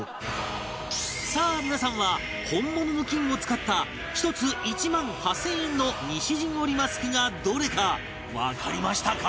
さあ皆さんは本物の金を使った１つ１万８０００円の西陣織マスクがどれかわかりましたか？